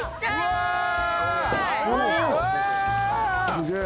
すげえ。